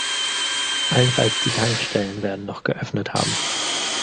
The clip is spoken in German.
Allenfalls die Tankstellen werden noch geöffnet haben.